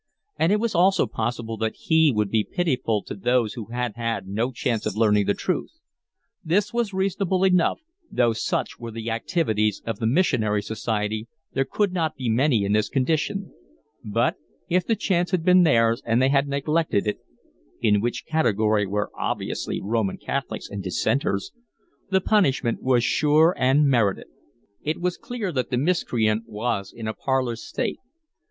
and it was also possible that He would be pitiful to those who had had no chance of learning the truth,—this was reasonable enough, though such were the activities of the Missionary Society there could not be many in this condition—but if the chance had been theirs and they had neglected it (in which category were obviously Roman Catholics and Dissenters), the punishment was sure and merited. It was clear that the miscreant was in a parlous state.